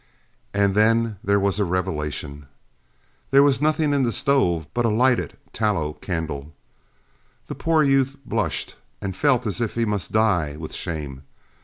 And then there was a revelation there was nothing in the stove but a lighted tallow candle! The poor youth blushed and felt as if he must die with shame.